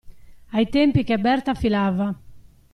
Ai tempi che Berta filava.